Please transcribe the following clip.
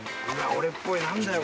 俺っぽい何だよ